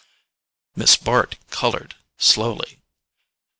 Miss Bart coloured slowly.